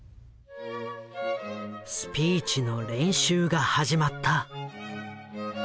スピーチの練習が始まった。